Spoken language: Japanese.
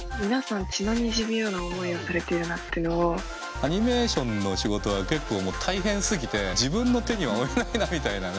アニメーションの仕事は結構もう大変すぎて自分の手には負えないなみたいなね。